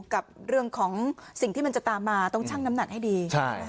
กับเรื่องของสิ่งที่มันจะตามมาต้องชั่งน้ำหนักให้ดี